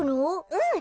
うん。